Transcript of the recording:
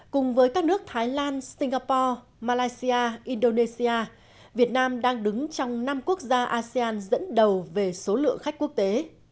cùng với các nước thái lan singapore malaysia indonesia việt nam đang đứng trong năm quốc gia asean dẫn đầu về số lượng khách quốc tế